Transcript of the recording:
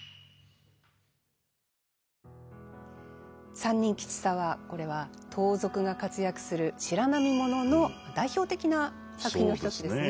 「三人吉三」はこれは盗賊が活躍する白浪物の代表的な作品の一つですね。